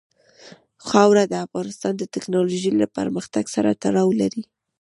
خاوره د افغانستان د تکنالوژۍ له پرمختګ سره تړاو لري.